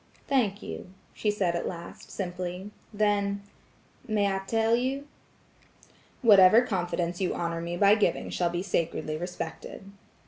"Thank you," she said at last, simply. Then– "May I tell you?" "Whatever confidence you honor me by giving shall be sacredly respected."